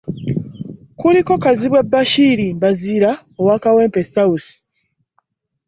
Kuliko Kazibwe Bashir Mbazira owa Kawempe South.